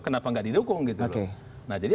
kenapa nggak didukung gitu loh nah jadi